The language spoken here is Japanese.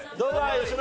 吉村